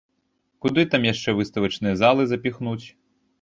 Куды там яшчэ выставачныя залы запіхнуць?